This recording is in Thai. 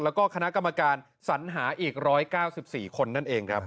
แล้วก็คณะกรรมการสัญหาอีก๑๙๔คนนั่นเองครับ